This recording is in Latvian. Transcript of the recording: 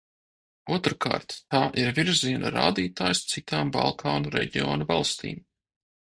Otrkārt, tā ir virziena rādītājs citām Balkānu reģiona valstīm.